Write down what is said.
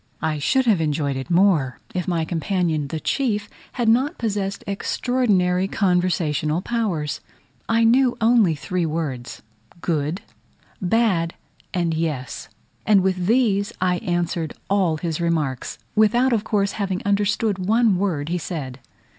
I should have enjoyed it more, if my companion, the chief, had not possessed extraordinary conversational powers. I knew only three words: "good," "bad," and "yes:" and with these I answered all his remarks, without of course having understood one word he said.